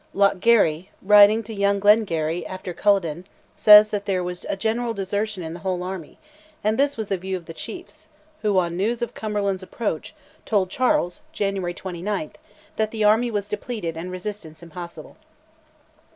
Lochgarry, writing to young Glengarry after Culloden, says that "there was a general desertion in the whole army," and this was the view of the chiefs, who, on news of Cumberland's approach, told Charles (January 29) that the army was depleted and resistance impossible.